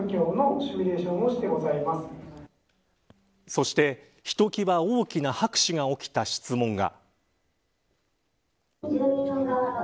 そしてひときわ大きな拍手が起きた質問が。